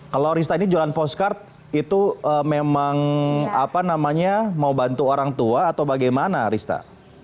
kalau rista ini jualan postcard itu memang apa namanya mau bantu orang tua atau bagaimana rista